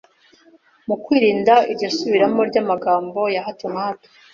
Mu kwirinda iryo subiramo ry’amagambo ya hato na hato